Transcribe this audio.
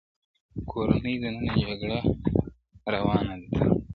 کورنۍ دننه جګړه روانه ده تل